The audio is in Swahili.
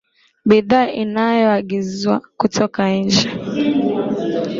bidhaa inazoagizwa kutoka nje